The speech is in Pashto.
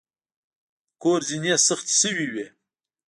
د کور زینې سختې شوې وې.